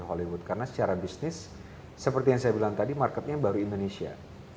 hollywood karena secara bisnis seperti yang saya bilang tadi marketnya baru indonesia